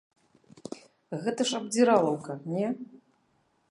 Гэта ж абдзіралаўка, не?